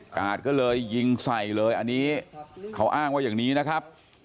กาดก็เลยยิงใส่เลยอันนี้เขาอ้างว่าอย่างนี้นะครับ